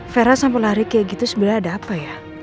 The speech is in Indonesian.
vera sampai lari kayak gitu sebenarnya ada apa ya